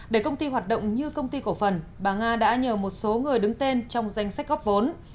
để công ty hoạt động như công ty cổ phần bà nga đã nhờ một số người đứng tên trong danh sách góp vốn